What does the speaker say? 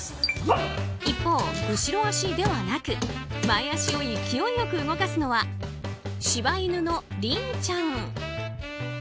一方、後ろ脚ではなく前脚を勢い良く動かすのは柴犬のりんちゃん。